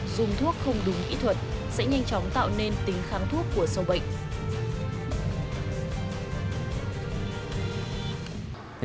dùng thuốc không đúng kỹ thuật sẽ nhanh chóng tạo nên tính kháng thuốc của sâu bệnh